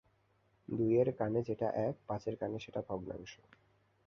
দুইয়ের কানে যেটা এক, পাঁচের কানে সেটা ভগ্নাংশ।